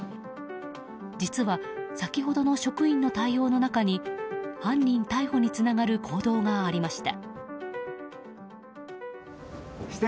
実は、先ほどの職員の対応の中に犯人逮捕につながる行動がありました。